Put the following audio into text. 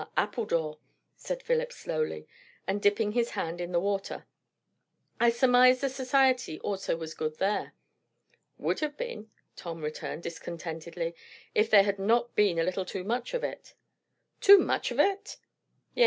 Appledore," said Philip slowly, and dipping his hand in the water. "I surmise the society also was good there?" "Would have been," Tom returned discontentedly, "if there had not been a little too much of it." "Too much of it!" "Yes.